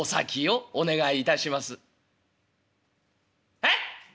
「えっ！？